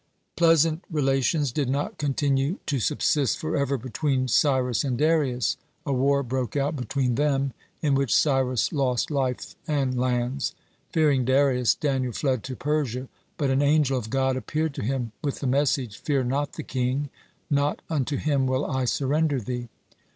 (8) Pleasant relations did not continue to subsist forever between Cyrus and Darius. A war broke out between them, in which Cyrus lost life and lands. Fearing Darius, Daniel fled to Persia. But an angel of God appeared to him with the message: "Fear not the king, not unto him will I surrender thee."